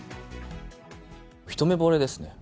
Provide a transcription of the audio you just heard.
一目ぼれですね。